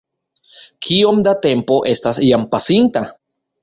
Kiom da tempo estas jam pasinta?